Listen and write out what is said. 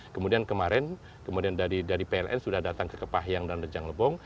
kemudian kemarin kemudian dari pln sudah datang ke kepahyang dan rejang lebong